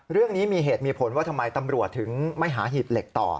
เรื่องนี้มีเหตุมีผลว่าทำไมตำรวจถึงไม่หาหีบเหล็กต่อ